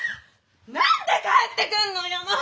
何で帰ってくんのよもう！